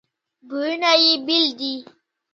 بویونه یې بیل دي.